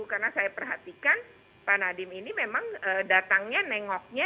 karena saya perhatikan pak nadiem ini memang datangnya nengoknya